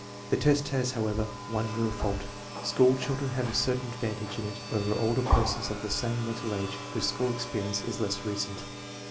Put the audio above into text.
The test has, however, one real fault. School children have a certain advantage in it over older persons of the same mental age whose school experience is less recent.